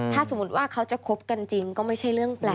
ถ้าสมมุติว่าเขาจะคบกันจริงก็ไม่ใช่เรื่องแปลก